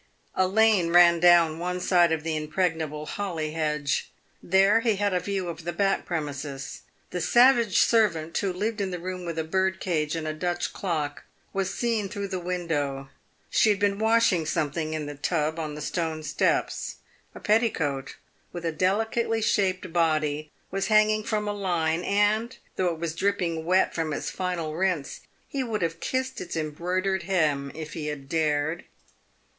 A lane ran down one side of the impregnable holly hedge. There he had a view of the back premises. The savage servant, who lived in the room with a bird cage and a Dutch clock, was seen through the window. She had been washing something in the tub on the stone steps. A petticoat, with a delicately shaped body, was hanging from a line, and, though it was dripping wet from its final rinse, he would have kissed its embroidered hem if he had dared.